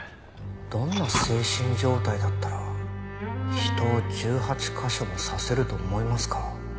どんな精神状態だったら人を１８カ所も刺せると思いますか？